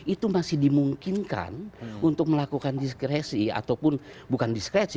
itu masih dimungkinkan untuk melakukan diskresi ataupun bukan diskresi